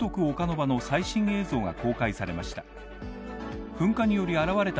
場の最新映像が公開されました。